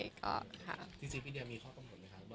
ว่าน้องจะรับงานได้ตอนไหน